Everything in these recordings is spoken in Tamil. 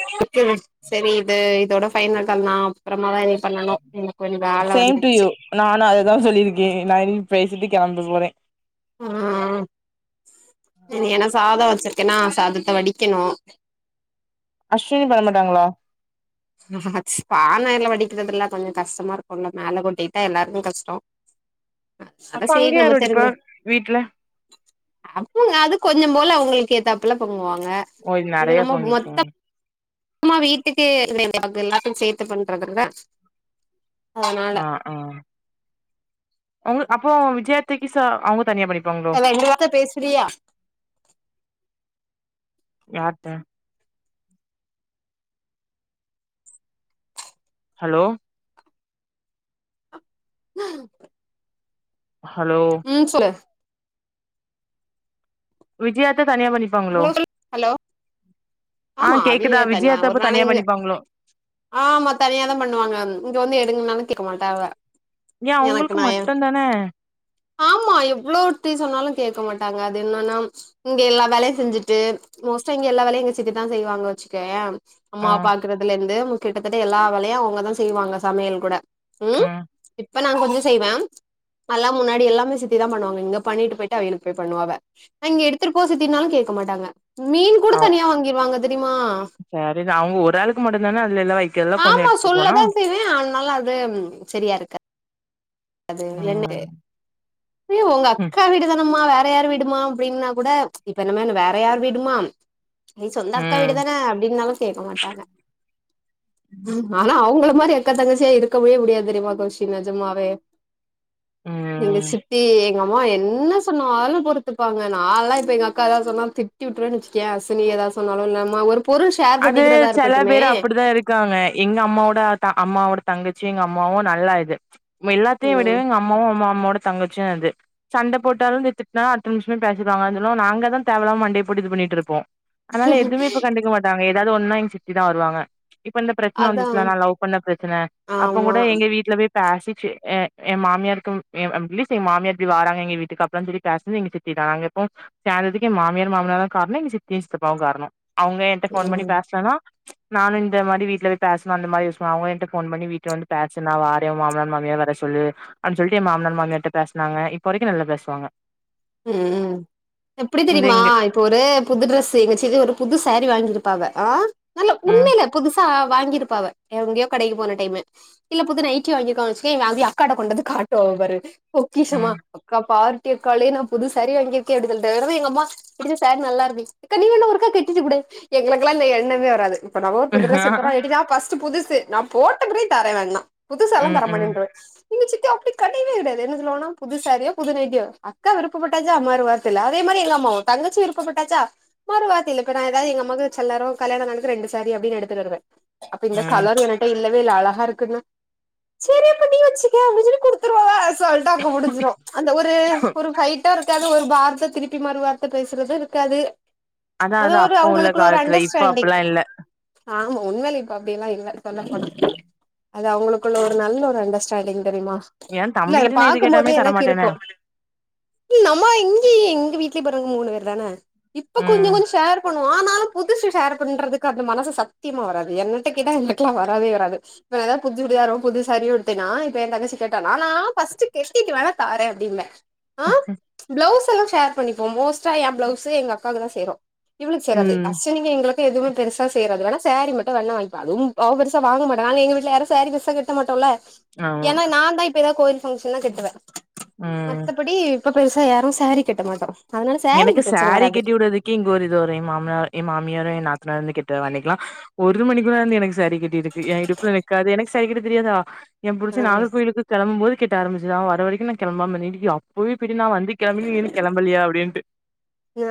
[inaudible] சேரி இது இதோட ஃபைனல் பண்ணல அப்புறமா இது பண்ணணும் எனக்கு கொஞ்சோ வேலா சேம் டு வந்துருச்சு யூ நானு அததா சொல்லியிருக்கே நானு பேசிட்டு கிளம்ப போறே ம் இனி ஏன்னா சாதம் வச்சிருக்கேன்னா சாதத்தை வடிக்கணு அஸ்வினி பண்ண மாட்டாங்களா ஹ பானையில வடிக்கிறதுல்ல கொஞ்சோ கஷ்டமா இருக்கும்ல்ல மேல கொட்டிட்டா எல்லாருக்கு கஷ்டம் அப்ப அங்க யார் வடிப்பா வீட்ல அப்போ அது கொஞ்சோ போல அவங்களுக்கு ஏத்தாப்புல பொங்குவாங்க ஓ இது நெறைய நம்ம மொத்த பொங்கிருக்குங்க மா வீட்டுக்கு அ எல்லாத்துக்கு சேத்து பண்றதுத அதனால ஆஹ அவங்க அப்போ விஜயத்தைக்கு ச அவங்க தனியா பண்ணப்ப ஏல ரெண்டு வார்த்த பேசுறியா யார்ட்ட ஹலோ ம் ஹலோ ம் சொல்லு விஜயாத்த தனியா படிப்பாங்களோ ஹலோ சொல் ஹலோ ஆஹ ஆமா கேக்குதா அவிய தனியா விஜயாத்தா ஒரு தனியா நாளைங்க பண்ணிப்பாங்களோ ஆமா தனியாதா பண்ணுவாங்க இங்க வந்து எடுங்கனாலு கேக்க மாட்டங்க ஏ எனக்கு அவங்களுக்கு நயன் மட்டுந்தான ஆமா எவ்ளோட்டி சொன்னாலு கேக்க மாட்டாங்க அது என்னன்னா இங்க எல்லா வேலையு செஞ்சுட்டு மோஸ்ட்டா இங்க எல்ல வேலாயு இங்க செஞ்சிதா செய்வாங்க வச்சுக்காய ஆ அம்மா அப்பாக்கு [unintelligible] இருந்து கிட்டத்தட்ட எல்லா வேலையு அவங்கதா செய்வாங்க சமையல் கூட ம் இப்ப நா கொஞ்சோ செய்வே அல்லா முன்னாடி எல்லாமே சித்தி தா பண்ணுவாங்க இங்க பண்ணிட்டு போயிட்டு அவகளுக்கு போய் பண்ணுவாங்க இங்க எடுத்துட்டு போ சித்தினாலு கேக்க மாட்டாங்க மீன் ஆஹ [unintelligible] வாங்கிருவாங்க தெரியுமா சேரிதா அவங்க ஒரு ஆளுக்கு மட்டும்தானே அதுல எல்லா வைக்கறதுல எல்லா கொஞ்சோ எடுத்துட்டு போனு [unintelligible] ஆனால அது செரியா இருக்குது அது என்ன ம் [inaudible] இப்பேயும் ம் அக்கா வீடு தானேம்மா வேற யார் வீடுமா அப்டின்னா கூட இப்ப என்னம வேற யார் வீடுமா [inaudible] நீ் சொந்த அக்கா வீடு ம் தானே அப்டின்னாலு கேட்க மாட்டாங்க ஆனா அவங்கள மாரி அக்க தங்கச்சியா இருக்கவே முடியாது தெரியுமா கௌஷி நெஜமாவே ம் எங்க சித்தி எங்க அம்மா என்ன சொன்னாலு பொறுத்துப்பாங்க நான்லா இப்ப எங்க அக்கா ஏதா சொன்னா தி திட்டி விட்டுருன்னு வெச்சிகியா அசனி ஏதாவது சொன்னாலு இல்லா அம்மா ஒரு பொருள் ஷேர் அது பண்ணிக்கிறதா செல இருக்கட்டுமே பேர் அப்டிதா இருக்காங்க எங்க அம்மாவோட அம்மாவோட தங்கச்சி எங்க அம்மாவு நல்லா இது எல்லாத்தையு விட ம் எங்க அம் அம்மாவு அம்மா அமாவோட தங்கச்சுயு இது சண்டை போட்டாலு திட்டுனால அடுத்த நிமிஷமே பேசிவாங்க இருந்தாலு நாங்க தா தேவலாம மண்டையை போட்டு இது பண்ணிட்டு இருப்போ அதனால எதுவுமே இப்ப கண்டுக்க மாட்டாங்க ஏதாவது ஒண்ணுணா எங்க சித்தி தா வருவாங்க இப்ப இந்த பிரச்சனை அதா வந்துச்சுலா நா லவ் பண்ண பிரச்சன அப்ப ஆமா கூட எங்க வீட்ல போய் பேசிச்சு யே யே மாமியாருக்கு அட்லீஸ்டு மாமியார் இப்படி வாரங்க எங்க வீட்டுக்கு அப்புறனு சொல்லி பேச நாங்க இப்போ சேர்ந்ததுக்கு மாமியார் மாமானார் தா காரணம் எங்க சித்தி சித்தப்பாவு காரணம் அவங்க போன் பண்ணி ம் பேசலனா நானு இந்த மாரி வீட்ல போய பேசணு அந்த மாரிய அவங்கிட்ட போன் பண்ணி வீட்டு வந்து பேசால வாரே மாமிய மாமனாரு வர சொல்லு அப்டி சொல்லிட்டு என் மாமனார் மாமியார் கிட்ட பேசுனாங்க இப்போ வரைக்கு நல்லா பேசுவாங்க ம் எப்படி இந்த தெரிமா இங்க இப்ப ஒரு புது ட்ரெஸ் எங்க சித்தி ஒரு புது சேரி வாங்கிருப்பாங்க ஆ நல்ல ம் உண்மையில புதுசா வாங்கிருப்பாவ எங்கயோ கடைக்கு போன டைமு இல்ல புது நைட்டி வாங்கிருக்காங்கன் வெச்சிக்கயே எங் அக்கான்டா கொண்டாந்து காட்டுவாக பாரு பொக்கிஷமா ம் அக்கா பார்டி அக்காலே நா புதுசேரி வாங்கிருக்கே அப்டி சொல்ட்டு உடனே எங்கம்மா புது சேரி நல்லா இருக்கு அக்கா நீ வேணா ஒருக்கா கட்டிட்டு குடே எங்களுக்குல்லா அந்த எண்ணமே வராது இப்ப நா ஒரு புது ட்ரெஸ் எடுத்தேனா எடு நா ஃபஸ்டு புதுசு நா போட்ட பிறகு தாரே வேணா புதுசாலா ம் ம் தரமாட்டேன்றுவ எங்க சித்தி அப்படி கெடையவே கெடையாது என்ன சொல்லுவாங்கனா புது சேரியோ புது நைட்டியோ அக்கா விருப் ப்ப பட்டாச்சா மறு வார்த்த இல்ல அதே மாரி எங்கம்மாவு தங்கச்சி விருப்பட்டாச்சா மறுவார்த்த இல்ல இப்ப நா எதாவது எங்கம்மாக்கு செல நேரோ கல்யாண நாளுக்கு ரெண்டு சேரி அப்டினு எடுத்துட் வருவே அப்ப இந்த ம் கலரு எனக் இல்லவே இல்ல அழகா இருக்குன்னா சேரி அப்ப நீ வச்சக்க அப்டினு குடுத்துருவாங்க சொல்ட்டா அங்க முடிஞ்சிரு அந்த ஒரு ஒரு ஃபைட் டு இருக்காது ஒரு வார்த்த திருப்பி மறு வார்த்த பேசறது இருக்காது அதா அது அதா ஒரு அப்போ உள்ள அவங்களுக்குள்ள ஒரு காலத்துல இப்ப அண்டர்ஸ்டாண்டிங் அப்பல்லா இல்ல ஆமா உண்மயாலு இப்ப அப்டி எல்லா இல்ல சொல்ல போனா அது அவங்களுக்குள்ள ஒரு நல்ல ஒரு அண்டர்ஸ்டாண்டிங் தெரிமா எ இல்ல அத தம்பிகிட்ட நா எது பாக்கும் கேட்டாலுமே போதே எனக்கு தரமாட்டேனே இருக்கு நம்ம இங்கய எங்க வீட்லய பொறவங்க மூணு பேர் தான இப்ப கொஞ்ச ம் கொஞ்ச ஷேர் பண் ஆனாலு புதுசு ஷேர் பண்றதுக்கு அந்த மனசு சத்தியமா வராது என்னட்ட கேட்டா எனக்லா வரவே வராது இப்ப நா எதாது புது சுடிதாரோ புதுசாரியோ எடுத்தேன்னா இப்போ எ தங்கச்சி கேட்டானா நா ஃபஸ்ட் கெட்டிட்டு வேணா தாரே அப்டிம்பே ஆ பிளவுஸ் எல்லா ஷேர் பண்ணிப்போ மோஸ்ட்டா எ பிளவுஸு எங்க அக்காக்குதா சேரு இவுளுக்கு சேராது ம் அச நீங்க எங்களுக்கு எதுமே பெருசா சேராது வேணா சேரி மட்டு வேண்ணா வாங்கிப்பா அதுவும் அவ பெருசா வாங்க மாட்டா நாங்க எங்க வீட்ல யாரு சாரி பெருசா கட்ட மாட்டோல ஆமா ஏன்னா நாந்தா இப்ப எதாவது கோயில் ஃபங்க்ஷன்னா கட்டுவ ம் மித்தபடி இப்ப பெருசா யாரு சேரி கட்ட மாட்டோ அதனால சேரீக்கு எனக்கு பிரச்சன சேரி வராது கட்டி உடறதுக்கே இங்க ஒரு இதொரே மாமனா எ மாமியாரு எ நாத்தனாரு வந்து கட்டுவாக அன்னிக்கெலா ஒரு மணிக்குலா வந்து எனக்கு சேரி கட்டிருக்கு எ இடுப்புல நிக்காது எனக்கு சேரி கட்ட தெரியாதா எம் ஆ புருச நாகர்கோயிலு கெளம்பம் போது கெட்ட ஆரம்பிச்சது அவ வர வரைக்கு நா கெளம்பாம நீடிக்குலா போய்ப்பிடி நா வந்து கெளம்பின நீ இன்ன கெளம்பலையா அப்டின்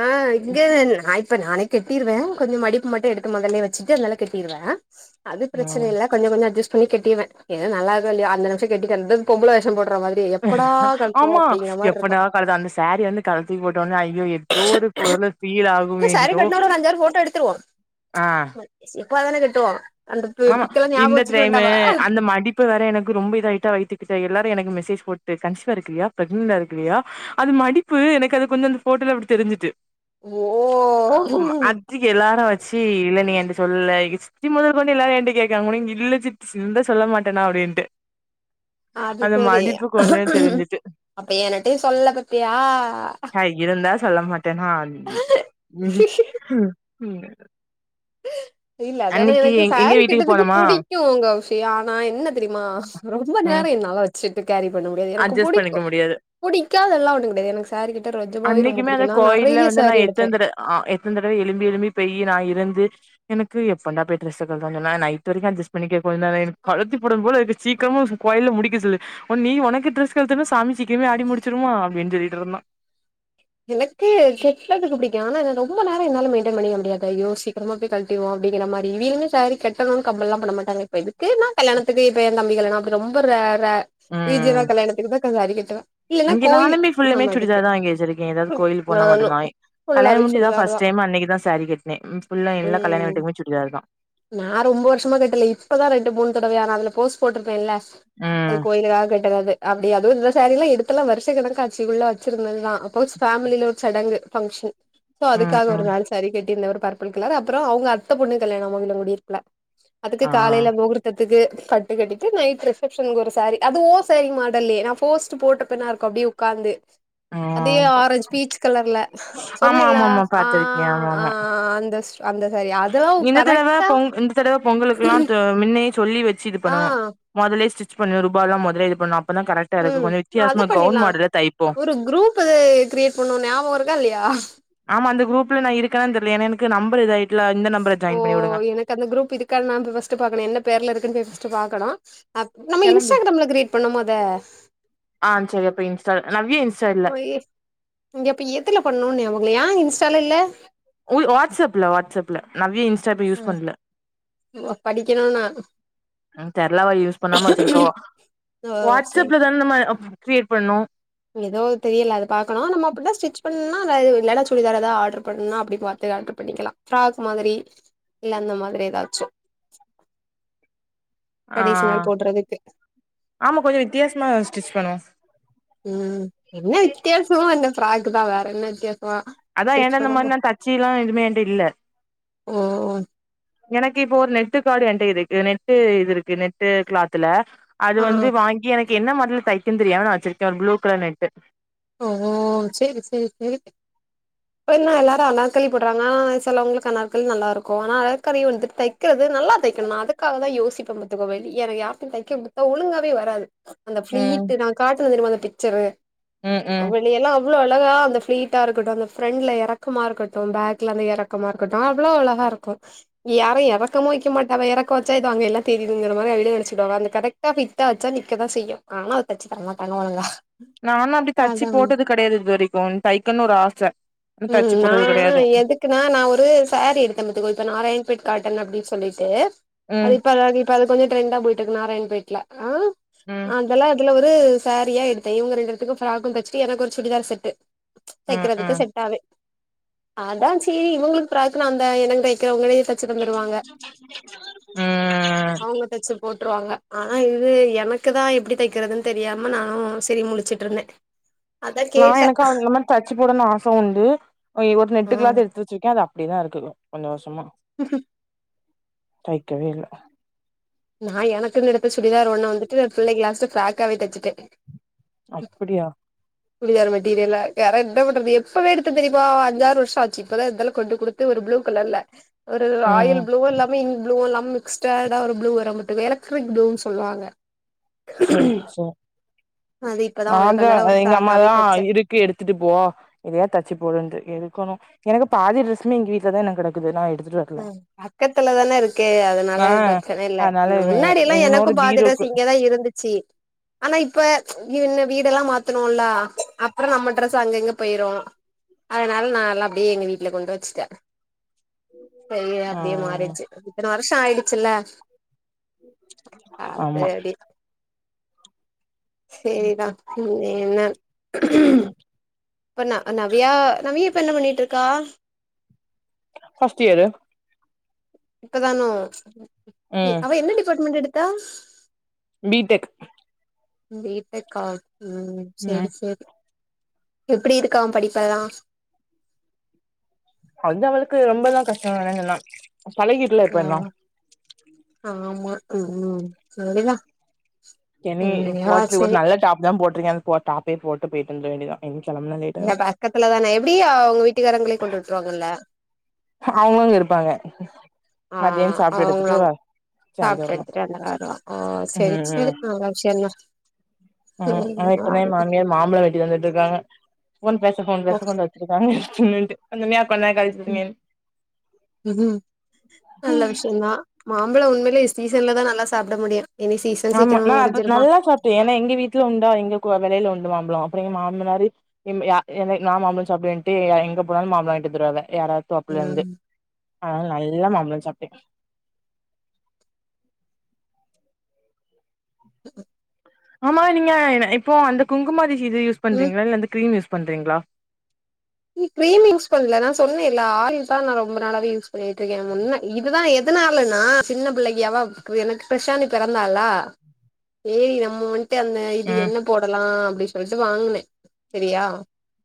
ஆ இங்க நா இப்ப நானே கட்டிருவே கொஞ்ச மடிப்பு மட்டு எடுத் து மொதல்லே வெச்சுட்டு அதனால கட்டிருவே அது பிரச்சன ம். இல்ல கொஞ்ச கொஞ்ச அஜஸ் பண்ணி கட்டிருவ எதோ நல்லா இருக்கோ இல்லயோ அந்த நிமிஷ கட்டி பொம்பள வேஷ போடுற மாதிரி எ எப்படா கழ்ட்டுவோ ஆமா. அப்படிங்கிற மார்ருக்கு எப்படா அந்த சேரி வந்து கழட்டி தூக்கி போட்ட உனே ஐயோ எதோ ஒரு பொருள ஃபீல் ஆகு க்கு சேரி கட்னா ஒரு அஞ்சாறு ஃபோட்டோ எடுத்துருவோ ஆ. எப்போ தான கட்டுவோ அந்த பி ஆமா பிக்கெல்லா ஞாபகோ இந்த வச்சுக்க டைமு வேண்டாமா அந்த மடிப் பு வேற எனக்கு ரொம்ப இதாயிட்டா வயிர் தூக்கி தெரி எல்லாரு எனக்கு மெசேஜ் போட்டு கன்சீவா இருக்றியா ப்ரக்னென்டா இருக்கறியா அது மடிப்பு எனக்கு அது கொஞ்ச அந்த ஃபோட்டோல அப்படி தெரிஞ்சுட்டு ஓ அது எல்லாரு வெச்சு இல்ல நீ என்ட்ட சொல்லுல எங்க சித்தி மொதற் கொண்டு எல்லா என்ட்ட கேக்காங்க உனே இல்ல சித்தி இருந்தா சொல்ல மாட்டேனா அப்டின்ட்டு அது அந்த செரி மடிப்பு கொஞ்சோ தெரிஞ்சுட்டு அப்ப எனட்டையு சொல்லல பாத்தியா ஹ இருந்தா சொல்ல மாட்டேனா இல்ல அதான அன்னைக்கு எனக்கு எங்க எங்க சாரீ வீட்டுக்கு கட்றதுக்கு போனமா புடிக்கு கௌசி ஆனா என்ன தெரிமா ரொம்ப நேர ம் என்னால வெச்சுட்டு கேரி பண்ண முடியாது எனக்கு அட்ஜஸ்ட் புடிக்கு பண்ணிக்க முடியாது புடிக்காதெல்லா ஒண்ணு கெடையாது எனக்கு சாரிகிட்ட ரொஜபாவே ரொம்ப பிடிக்கு நா நிறைய சாரீ எடுப்பே ஆஹ் எத்தன தடவ எலும்பி எலும்பி பெய் நா இருந்து எனக்கு எப்பண்டா பெட் ரெஸ்ட் சொன்ன நைட் வரைக்கு அட்ஜஸ்ட் பண்ணிே எனக்கு கழத்தி போடும் போடானு போல இருக்கு சீக்கிர கோயிலல முடிக்க சொல்லு உன் நீ உனக்கு டிரெஸ் கலழுத்துன்னுன சாமி சிரக்குமே ஆடி முடிச்சிருடுமா அப்பின்னு சொல்லிட்டு இருந்தா எனக்கு செட்து [unintelligible] குடி ஆனா என்னா ரொம்ப நேரம் மெய்டன பண்ண முடியாது ஐயோ சீக்கிரமா போ கழட்டிர்வோ அப்டிங்க மாறி இவீங்களுமே சாரி கெட்டணுனு கம்பல்ல்லா பண்ண மாட்டாங்க இப்ப இதுக்குன்னா கல்யணத்துக்குப்ப என் தம்பி கல்யாணனோ அது ரொம்ப ர ர ம் கல்யாணத்துக்கு தா கஞ சாரி கட்டுவே இல்லன்னா இங்க கோயில் நாலுமே புல்லுமே நம்ம இதுக்கு சுடிதாத தான் இங்க வச்சிருக்கேன ஏதாதது கோயில் போனா நானு மட்டும்தா கல்யாணம் ஃபுல்லாவே முடிஞ்சி இத சுடிதார் பிர்ஸ்டு தா டைம் அன்னைக்கு தா சாரீ கட்டின புல்ல எல்ல கல்யண வீட்டுமே சுடிதார் தா நான் ரொம்ப வருஷமா கட்டல இப்பதா ரெண்டு மூணு தடவைய நா அதுல போஸ்ட் போற்ருப்பேல்ல அது ம் கோயிலுக்காக கட்டனது அப்டி அது இந்த சாரிலா எடுத்துலா வருஷ கணக்காட்சி உள்ள வச்சிருந்ததுதா அப்போ வச் ஃபேமமில ஒரு சடங்கு பங்க்ஷன் சோ ம் அதுக்காக ஒரு ம் நாள் சரி கட்டிருந்த ஒரு ல அப்புற அவங்க அத்த பொண்ணு கல்யாணம் மகில முடிறதுக்குள்ள அதுக்கு ஆ காலையில முகுர் த்ததுக்கு பட்டு கட்டிட்டு நைட் ரிசபப்ஷனுக்கு ஒரு சார அது ஓ சாரீ மாடல்லையே நான் போர்ஸ்ட்ட் போட்டப்பன இருக்கும் அப்படியே உட்காந்து ஆ அதே ஆ பீச் கலர்ல ஆமா சொன்னேல்ல ஆமா ஆமா அ பாத்திருக்கே ஆமா அ ஆமா அந்த அந்த சாரி தா இந்த தடவ பொங்கல் இந்த தடவ பொங்கலுக்கெல்லா முன்னே சொல்லி வச்சு இது ஆ பண்ணணு முதலே ஸ்டிச் பண்ணணு ரூபா எல்லா இது பண்ணணு அப்பதா கரெக்ட் டா இருக்கும் ம் கொஞ்ச வித்தியாசம கவுன் பண்ணிர்லா மாடல தைப்போ ஒரு குரூப் குருப்பு அது கிரியேட் பண்ணோ ஞாபகோ இருக்கா இல்லையா ஆமா அந்த குரூப்ல நா இருக்கன்னு தெரியல ஏன்னா எனக்கு நம்பர் இது ஆயிட்டுல இந்த நம்பர ஓ ஜாயின் பண்ணி விடுங்க எனக்கு அந்த குரூப் இருக்க என்னனு பாஸ்ட் பாக்கனு என்ன பேர்ல இருக்குனு பாக்கணு நம்ம கெளம்பு இன்ஸ்டாகிராம்ல க்ரியேட் பண்ணுபோத அ சரி அப்ப இன்ஸ்டால் நவிய இன்ஸ்டால இல்ல ஐய இங்க அப்ப எதுல பண்ணனு ஞாபகமில்ல ஏ இன்ஸ்டால இல்ல உங்களுக்கு வாட்ஸ்அப்ல வாட்ஸ்அப்ல நவிய அப்பவே இன்ஸ்டா ஆப் யூஸ் பண்ட்டே ஏனா நா ம் தெரியல யூஸ் பண்ணாம வச்சிருக்கவோ ஓ சேரி வாட்ஸ்அப்ல தான நம்ம க்ரியேட் பண்ணோ ஏதோ தெரியல அத பாக்கணு நம்ம அப்டினா ஸ்டிச் பண்ண அது ஆன்லைன்ல சுடிதார் ஏதாவது ஆர்டர் பண்ணா அப்டி இத ஆல்ட்டர் பண்ணிக்கலா பிராக் மாதிரி இல்ல அந்த மாதிரி ஏதாச்சு [inaudible] அ அ ட்ரெடிஷ்னல் போட்றதுக்கு ஆமா கொஞ்சோ வித்தியாசம ஸ்டிச் பண்ணுவோ ம் என்ன வித்யாசமா இந்த பிராக் தா வேற என்ன வித்யாசமா அதா ஏனா அந்த மாதிரி நா தச்சி எல்லா எதுவுமே என்ட இல்ல ஓ எனக்கு இப்போ ஒரு நெட்டு கார்டு என்ட இருக்கு நெட்டு இது இருக்கு நெட்டு கிளாத்ல அது ஆ வந்து வாங்கி எனக்கு என்ன மாதிரில தைக்கனுனு தெரியாம நா வச்சிருக்கே ஒரு ப்ளூ கலர் நெட்டு ஓ சரி சரி சரி [inaudible] இப்ப என்ன எல்லாரு அனார்கலி போடுறாங்க ஆனா சிலவங்களுக்கு அனார்கலி நல்லாருக்கும் ஆனா அனார்கலி வந்துட்டு தை தைக்கிறது நல்லா தைக்கணு நா அதுக்காக தா யோசிப்பே பாத்துகோ வெளிய எனக்கு யார்ட்ட தைக்க கொடுத்த ஒழுங்காவே வராது அந்த ம் பிளீட் நா காட்டுவே தெரியுமா அந்த பிக்சரு ம் ம் முன்ன எல்லா அவ்ளோ அழகா அந்த ஃபிளீட்டா இருக்கட்டு அந்த ஃபிராண்ட்ல எறக்கமா இருக்கட்டு பேக்ல அந்த எறக் க்கமா இருக்கட்டு அவ்ளோ அழகா இருக்கு இங்க யாரு எறக்கமு வைக்க மாட்டாவ எறக்கொ வெச்சா ஏதோ அங்க எல்லா தெரியுதுங்கிற மாரி ஆயிடு நெனச்சிடுவாங்க அந்த கரெக் ட்டா ஃபிட்டா வெச்சா நிக்கதா செய்யு ஆனா அத தச்சு தரமாட்டாங்க ஒழுங்கா நானு அப்டி தச்சு அதா போட்டது கடையாது இது வரைக்கு தைக்கன்னு ஒரு ஆச தச்சு போட்டது கடையாது க்குனா நா ஒரு சாரி எடுத்த பத்துக்கோ இப்ப நாராயண்பேட் காட்டன் அப்டின்னு சொல்லிட்டு அது ம் இப்ப அத இ ப்ப அது கொஞ்ச ட்ரெண்டா போயிட்டு இருக்கு நாராயண் பேட்ல அ ம் அதெல்லா அதுல ஒரு சாரியா எடுத்தே இவுங்க ரெண்டு பேத்துக்கு ஃப்ராகு தச்சிட்டு எனக்கு ஒரு சுடிதார் செட்டு ம் தைக்கிறதுக்கு ம் செட்டாவே அதா சேரி இவங்களுக்கு பிராக்னா அந்த எனக்கு தைக்கிறவங்களே தெச்சு தந்துடுவாங்க ம் அவங்க தெச்சு போட் ருவாங்க ஆனா இது எனக்குதா எப்டி தைக்கிறதுன் தெரியாம நானு சரி முழிச்சிட் டுருந்தே நா எனக்கு அவங்கள மாரி தச்சு போடனு ஆச உண்டு் அ இ ஒரு ஆ நெட்டுக் கிளாத் எடுத்து வெ ச்சிட்டு அது அப்டிதா இருக்கு கொஞ்ச வருஷமா ம் தைக்கவே இல்ல நா எனக்குனு எடுத்த சுடிதார் ஒண்ண வந்துட்டு எ பிள்ளைக்கு லாஸ்ட ஃப்ராக்காவே தச்சிட்டே அப்டியா சுடிதார் மெட்டிரியல்ல வேற என்ன பண்றது எப்பவே எடுத்தே தெரியுமா அஞ்சாறு வருஷொ ஆச்சு இப்பதா இருந்தாலு கொண்டு குடுத் து ஒரு ப்ளூ கலர்ல ஒரு ம் ராயல் ப்ளுவு இல்லாம இந் ப்ளுவு இல்லாம மிக்ஸ்டெடா ஒரு ப்ளூ த வந்துட்டு எலக்ட்ரிக் ப்ளூ சொல்லுவாங்க சே சே அது இப்பதா நா அவளுக்கு தா அதனால அ ஒரு எங்க ஃப்ராக்காவே அம்மாதா தச்ச இரு க்கு எடுத்துட்டு போ எதையா தச்சு போடுன்டு எடுக்கணு எனக்கு பாதி டிரெஸ்ஸுமே எங்க வீட்ல தா எனக் கடக் ம் பக்கத்துல தானே இருக்கு ஆ அதனால பிரச்சன இல்ல அதனால இன்னு எ முன்னாடிலா என்னோட எனக்கு பாதி பீரோக்கு ட்ரெஸ் இங்கதா இருந்துச்சு ஆனா இப்ப வீடெல்லா மாத்தனோன்லா அப்புறொ நம்ம ட்ரெஸ் அங்கங்க போயிரு அதனால நா நால்லா அப்டியே எங்க வீட்ல கொண்டு வெச்சுட்டே சய ஆ அப்டியே மாறிடுச்சு இத்தன வருஷ ஆயிடுச்சுல்ல அது ஆமா அப்டி சேர்தா இன் என்ன இப்ப ந நவ்யா நவ்யா இப்ப என்ன பண்ணிட்டுருக்கா ஃபர்ஸ்ட் இயரு இப்பதானோ இ ம் அவ என்ன டிபார்ட்மெண்ட் எடுத்தா பிடெக் பி டெக்கா ம் ம் செரி செரி எப்புடி இருக்கா அவ படிப்பெல்லா அது அவளுக்கு ரொம்பலா கஷ்ட இல்லன்னுல்லா பழகிட்டுல இப்ப ஆ எல்லா ஆமா ம் சேரிதா என்னியே போட்லு ஒரு நல்ல டாப் தா போட்ருக்கே அது போ டாப்பே போட்டு போயிட்டு வந்துர வேண்டியதா இனி கெளம்பனா லேட் இல்ல ஆய்டு பக்கத்துல தானே எப்டி அவங்க வீட்டுக்காரங்களே கொண்டு விட்ருவாங்கல்ல அவங்களு இருப்பாங்க ஆ மதியானோ சாப்ட்டு எடுத்துட்டு அவங்களாங் சாய்ந்தரோ சாப்ட்டு வரணு எடுத்துட்டு வந்து வருவா ஓ சரி ம் ம் சரி நல்ல விஷயந்தா ம் ஆயிட்த்துணை மாமியார் மாம்பழ வெட்டி தந்துட்ருக்காங்க ஃபோன் பேச ஃபோன் பேச கொண்டு வை [unintelligible] கொஞ்ச நேர் கழ்ச் ம் ம் ம் நல்ல விஷியந்தா மாம்பழம் உண்மைலே சீசன்லதா நல்லா சாப்புட முடியு இனி சீசன் ஆமா சீக்கிரமா நா அத முடிஞ்சிருமா நல்லா சாப்ட்டே ஏன்னா எங்க வீட்ல உண்டா எங்க கொ வெலைல உண்டு மாம்ப்ழ அப்புற எங்க மாமனாரு எம்ம யா எந்தை நா மாம்பழ சாப்டுவேன்ட்டு எங்க போணாலு மாம்பழ வாய்ன்ட்டு வந்துருவாங்க யாராவ் தோப்புலருந்து ம் அத்னால நல்லா மாம்பழ சாப்ட்டே உஹ ஆமா நீங்க என இப்போ அந்த குங்குமதிஷி இத யூஸ் ம் பண்றீங்ளா இல்ல அந்த கிரீம் யூஸ் பண்றீங்ளா நீ கிரீம் யூஸ் பண்ணல நா சொன்னேல்ல ஆயில் தா நா ரொம்ப நாளாவே யூஸ் பண்ணிட்ருக்கே நா முன்ன இதுதா எதுனாலனா சின்ன பிள்ளைக்யவவ் எனக்கு ப்ரஷானி பெறந்தாள்ளா ஏரி நம்மோன் டு அன்ன அந்த இது ம் என்ன போடலா அப்டி சொல்ட்டு வாங்குனே செரியா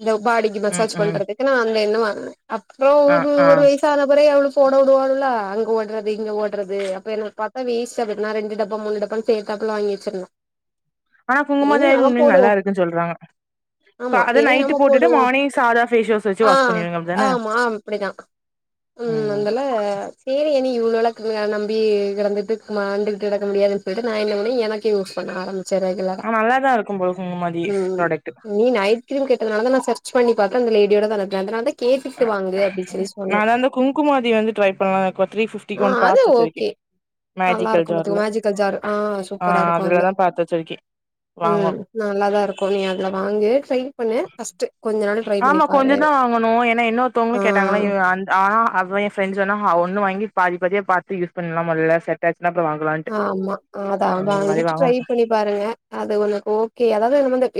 இந்த பாடிக்கி ம் மசாஜ் ம் துக்கு அந்த என்ன வாங்ன அப்றோ ஆ ஒரு ஆ ஒரு வய்ஸ் தாத கொறை எவ்ளு போட உடுவாளுவ்ளா அங்க ஓட்றது இங்க ஓட்றது அப்ப எனக் பாத்தா வேஸ்ட் ஆகுது நா ரெண்டு டப்பா மூணு டப்பான் தேக்காப்புல வாங்கி வச்சிர்ந்தோ [inaudible] ஆனா குங்குமாதைல் உண்மைல் போடுவோ நல்லாருக்குன் சொல்றாங்க கா ஆமா அத இனி நைட்டு நம்ம போட்டுட்டு போடுவோ மானேஸ் சாதா ஃவேஷ் வாஸ் ஆ ஆமா அப்புடிதா ம் அந்தல சேரி என்ன இவ்ளுவளுக்க நம்பி கெடந்துட்டு மாண்டுக்குட்டடக் முடியாதுன் சொல்லிட் நா என்ன பண்ணே எனக்கு யூஸ் பண்ண ஆரம் சே ரெகுலெரா ஆ நல்லாதா இருக்கும் போல குங்குமாதி ம் ப்ராடக்ட் நீ நைட் க்யூ கேட்டதுனாலதா நா சர்ச் பண்ணி பாத்த அந்த லேடியோடதானத் நா அதானால்தா கேட்டுட்க்குட்டு வாங்கு அப்டி சொல்லி சொன்ன நாலா அந்த குங்குமாதி வந்து ட்ரை பண்ணலானு இருக்கோ த்ரீ நா ஃபிப்டிக்கு ஒன்னு அது பாத்து ஒ வச்சிருக்கே கே மேஜிக்கல் நல்லாருக்கு பாத்துங்க ஜார்ல மேஜிக்கல் ஜாரு ஆ ஆ சூப்பரா இருக்கு அதுல அதுலதா பாத்து வச்சிருக்கே ம் வாங்கணு நல்லாதா இருக்கு நீ அதுல வாங்கு ட்ரை பண்ணு ஃபஸ்ட்டு ஆமா கொஞ்சதா வாங்குணு ஏனா இன்ன ஒருத்தொவ்ங்ளு ஆ கேட்டாங்ளா இவ் அண் ஆனா அப்றோ ஏ ஃப்ரெண்ட் சொன்னாங்க ஒன்னு வாங்கி பாதி பாதியா பாத்து யூஸ் பண்ணலா மொதல்ல செ டாயிர்ச்சினா அப்புற வாங்குலா ஆம்மா அதா அதா வாங்கிட்டு ட்ரை பண்ணி பாருங்க அது ஒனக்கு ஓகே அதாவ்து என்ன வந்து